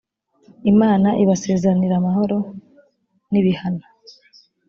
imana ibasezeranira amahoro nibihana